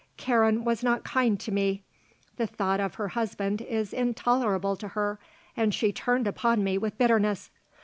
Karen was not kind to me; the thought of her husband is intolerable to her and she turned upon me with bitterness.